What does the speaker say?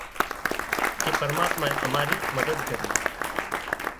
ڪي پرماتما امارِي مدد ڪري۔